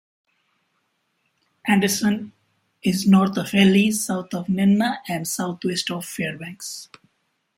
Anderson is north of Healy, south of Nenana and southwest of Fairbanks.